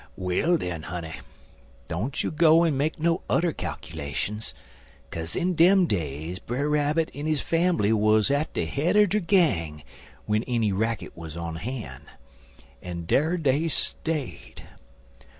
Well, den, honey, don't you go en make no udder calkalashuns, kaze in dem days Brer Rabbit en his fambly wuz at de head er de gang w'en enny racket wuz on han', en dar dey stayed.